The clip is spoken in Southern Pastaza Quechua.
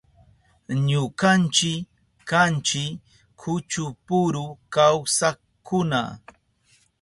Ñukanchi kanchi kuchupuru kawsakkuna.